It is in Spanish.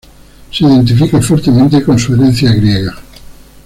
Se identifica fuertemente con su herencia griega.